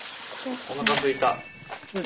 おなかすいた。